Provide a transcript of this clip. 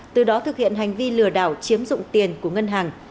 từ đó thực hiện hành vi lừa đảo chiếm dụng tiền của ngân hàng